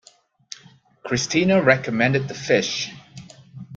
Christina recommended the fish.